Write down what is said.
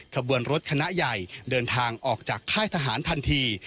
ขบวนรถคณะใหญ่เดินทางออกจากค่ายทหารทันที